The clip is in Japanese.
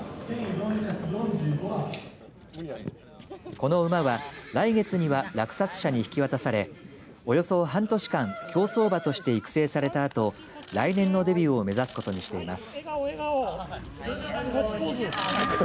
この馬は来月には落札者に引き渡されおよそ半年間競走馬として育成されたあと来年のデビューを目指すことにしています。